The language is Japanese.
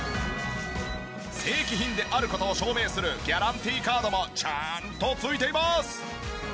正規品である事を証明するギャランティーカードもちゃーんと付いています！